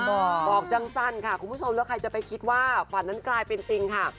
บอกบอกสั้นค่ะคุณผู้ชมแล้วใครจะไปคิดว่าฝันนั้นกลายเป็นจริงค่ะ